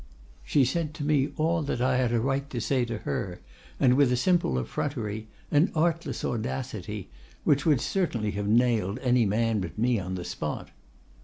"She said to me all that I had a right to say to her, and with a simple effrontery, an artless audacity, which would certainly have nailed any man but me on the spot.